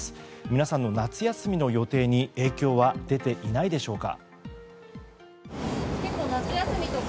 皆さんの夏休みの予定に影響は出ていないでしょうか。